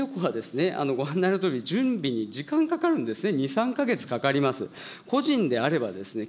これ、団体旅行はご案内のとおり、準備に時間かかるんですね。